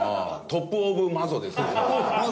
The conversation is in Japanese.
トップオブマゾ。